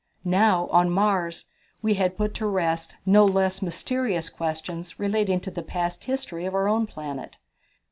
Now, on Mars, we had put to rest no less mysterious questions relating to the past history of our own planet.